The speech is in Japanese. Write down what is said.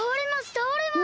たおれます！